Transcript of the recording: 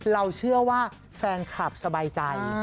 เราเชื่อว่าแฟนคลับสบายใจ